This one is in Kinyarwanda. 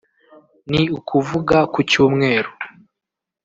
ni ukuvuga ku Cyumweru